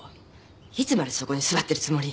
いつまでそこに座ってるつもり？